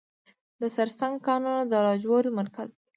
د سرسنګ کانونه د لاجوردو مرکز دی